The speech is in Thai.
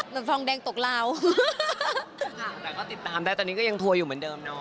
ฮึหาแต่ก็ติดตามแต่ตอนนี้ก็ยังทวยอยู่เหมือนเดิมเนอะ